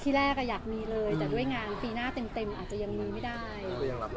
ที่แรกอยากมีเลยแต่ด้วยงานปีหน้าเต็มอาจจะยังมีไม่ได้